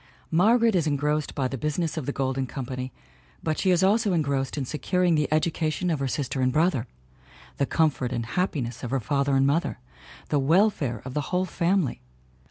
Margaret is engrossed by the business of the Golden Company but she is also engrossed in securing the education of her sister and brother, the comfort and happiness of her father and mother, the welfare of the whole fam ily.